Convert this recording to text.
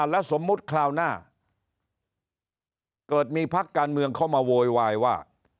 แล้วสมมุติคราวหน้าเกิดมีพักการเมืองเข้ามาโวยวายว่า